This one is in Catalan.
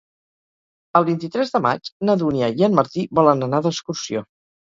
El vint-i-tres de maig na Dúnia i en Martí volen anar d'excursió.